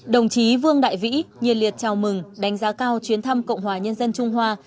đồng chí vương đại vĩ liệt chào mừng đánh giá cao chuyến thăm cộng hòa nhân dân trung hoa